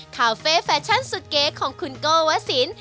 คาเฟ่แฟชั่นสุดเก๋ของคุณโก้วสิน